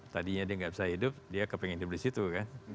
tadinya dia nggak bisa hidup dia kepengen hidup di situ kan